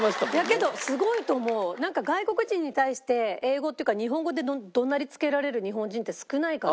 なんか外国人に対して英語っていうか日本語で怒鳴りつけられる日本人って少ないから。